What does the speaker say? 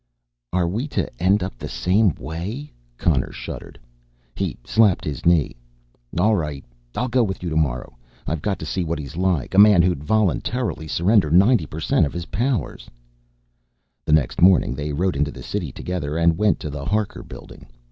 "Are we to end up the same way?" Connor shuddered. He slapped his knee. "All right, I'll go with you tomorrow. I've got to see what he's like a man who'd voluntarily surrender ninety percent of his powers!" The next morning they rode into the city together and went to the Harker Building.